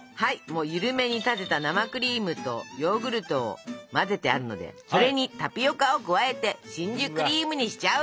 ゆるめに立てた生クリームとヨーグルトを混ぜてあるのでそれにタピオカを加えてしんじゅクリームにしちゃう！